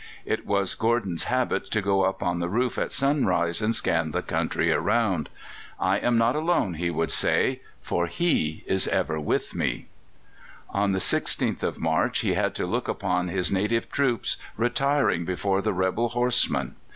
It was Gordon's habit to go up on the roof at sunrise and scan the country around. "I am not alone," he would say, "for He is ever with me." On the 16th of March he had to look upon his native troops retiring before the rebel horsemen.